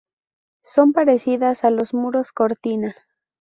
Son parecidas a los muros cortina.